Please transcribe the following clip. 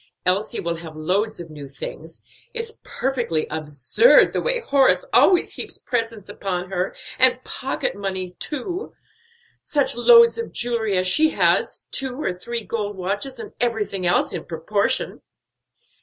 Elsie will have loads of new things; it's perfectly absurd the way Horace heaps presents upon her, and pocket money too. Such loads of jewelry as she has, two or three gold watches, and everything else in proportion."